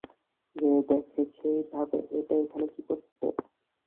যে দেখে সেই ভাবে, এটা এখানে কী করতে!